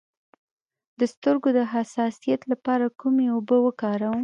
د سترګو د حساسیت لپاره کومې اوبه وکاروم؟